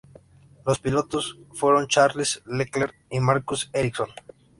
Los pilotos fueron Charles Leclerc y Marcus Ericsson.